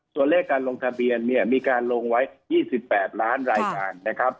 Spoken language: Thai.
ส่วนเลขการลงทะเบียนเนี่ยมีการลงไว้๒๘ล้านรายการนะครับ